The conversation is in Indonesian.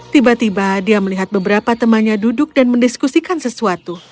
tiba tiba dia melihat beberapa temannya duduk dan mendiskusikan sesuatu